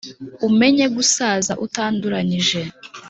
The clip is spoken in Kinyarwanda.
umenye gusaza utanduranyije